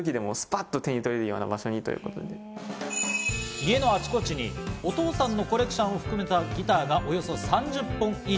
家のあちこちにお父さんのコレクションを含めたギターがおよそ３０本以上。